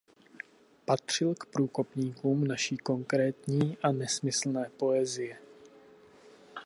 Patřil k průkopníkům naší konkrétní a nesmyslné poezie.